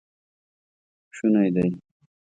شونی دی